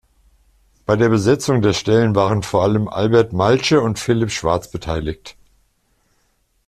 Bei der Besetzung der Stellen waren vor allem Albert Malche und Philipp Schwartz beteiligt.